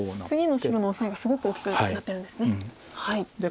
次の白のオサエがすごく大きくなってるんですね。